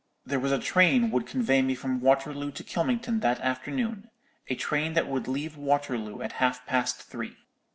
There was a train would convey me from Waterloo to Kylmington that afternoon—a train that would leave Waterloo at half past three.